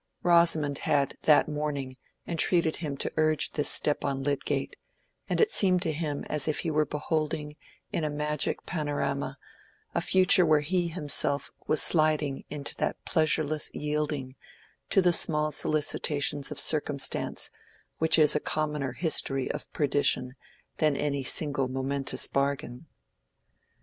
Rosamond had that morning entreated him to urge this step on Lydgate; and it seemed to him as if he were beholding in a magic panorama a future where he himself was sliding into that pleasureless yielding to the small solicitations of circumstance, which is a commoner history of perdition than any single momentous bargain.